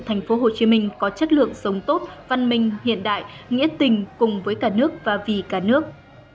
thành phố hồ chí minh có chất lượng sống tốt văn minh hiện đại nghĩa tình cùng với cả nước và vì cả nước